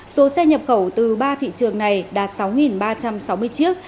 số xe nhập khẩu từ ba thị trường này đạt sáu ba trăm sáu mươi chiếc